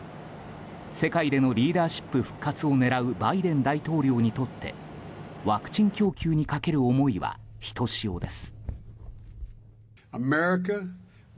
世界でのリーダーシップ復活を狙うバイデン大統領にとってワクチン供給にかける思いはひとしおです。